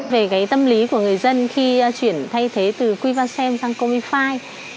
về cái tâm lý của người dân khi chuyển thay thế từ quy văn xem sang comifive